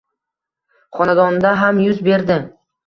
xonadonida ham yuz berdi